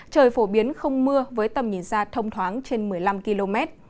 trời phổ biến không mưa với tầm nhìn xa thông thoáng trên một mươi năm km